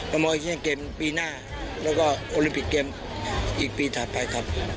โมเอเชียนเกมปีหน้าแล้วก็โอลิมปิกเกมอีกปีถัดไปครับ